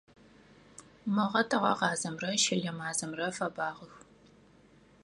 Мыгъэ тыгъэгъазэмрэ щылэ мазэмрэ фэбагъэх.